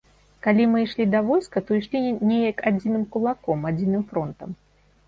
Калі мы ішлі да войска, то ішлі неяк адзіным кулаком, адзіным фронтам.